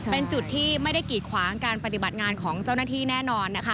เป็นจุดที่ไม่ได้กีดขวางการปฏิบัติงานของเจ้าหน้าที่แน่นอนนะคะ